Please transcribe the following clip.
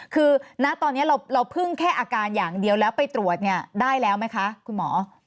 คือณตอนนี้เราพึ่งแค่อาการอย่างเดียวแล้วไปตรวจเนี่ยได้แล้วไหมคะคุณหมอ